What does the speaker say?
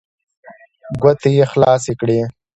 ګوتې يې خلاصې کړې.